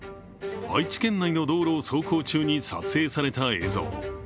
愛知県内の道路を走行中に撮影された映像。